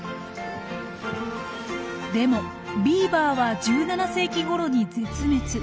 でもビーバーは１７世紀ごろに絶滅。